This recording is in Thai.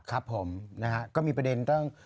ก็มีประเด็นต้อง